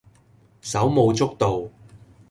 手舞足蹈